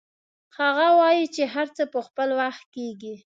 هغه وایي چې هر څه په خپل وخت کیږي